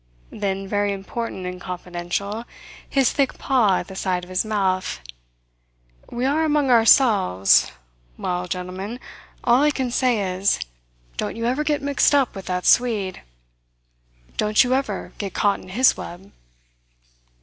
Then, very important and confidential, his thick paw at the side of his mouth: "We are among ourselves; well, gentlemen, all I can say is, don't you ever get mixed up with that Swede. Don't you ever get caught in his web."